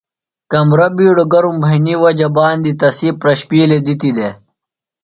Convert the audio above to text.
کمرہ بِیڈوۡ گرم بھئینی وجہ باندیۡ تسی پرشپِیلیۡ دِتی دےۡ۔